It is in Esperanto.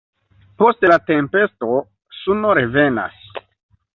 Post la tempesto, suno revenas.